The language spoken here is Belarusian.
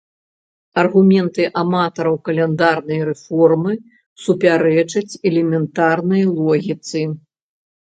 Аргументы аматараў каляндарнай рэформы супярэчаць элементарнай логіцы.